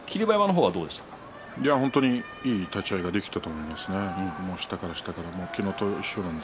本当に、いい立ち合いができていたと思います。